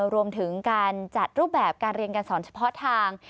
รวมถึงการจัดรูปแบบการเรียนการสอนเฉพาะทาง